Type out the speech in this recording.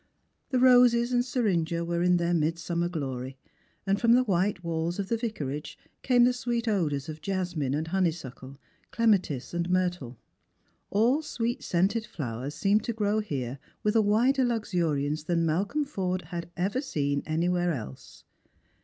The roses and seringa were in their midsummer glory, and from the white walls of the Vicarage came the sweet odours of jasmine and honeysuckle, clematis and myrtle. All sweet scented flowers seemed to grow here vnth a wider luxuriance than Malcolm Forde had ever seen anywhere else.